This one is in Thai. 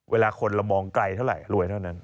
เวลาคนเรามองไกลเท่าไหร่รวยเท่านั้น